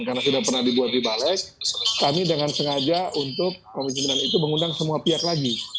karena sudah pernah dibuat di bales kami dengan sengaja untuk komisi sindilan itu mengundang semua pihak lagi